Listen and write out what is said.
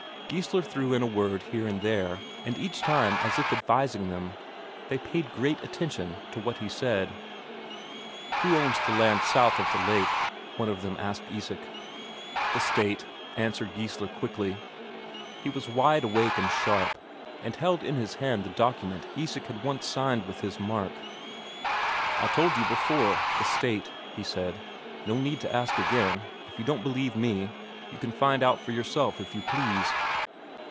Geissler threw in a word here and there, and each time as if advising them; they paid great attention to what he said. "Who owns the land south of the lake?" one of them asked Isak. "The State," answered Geissler quickly. He was wide awake and sharp, and held in his hand the document Isak had once signed with his mark. "I told you before the State," he said. "No need to ask again. If you don't believe me, you can find out for yourself if you please."